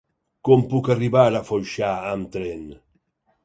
Com puc arribar a Foixà amb tren?